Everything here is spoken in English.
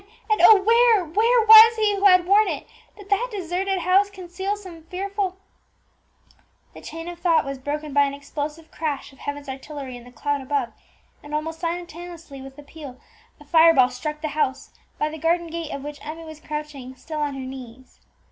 and, oh! where, where was he who had worn it? Did that deserted house conceal some fearful The chain of thought was broken by an explosive crash of heaven's artillery in the cloud above, and, almost simultaneously with the peal, a fire ball struck the house, by the garden gate of which Emmie was crouching, still on her knees.